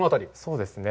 そうですね。